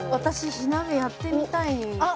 火鍋やってみたいあっ